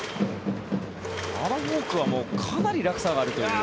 あのフォークはかなり落差があるという。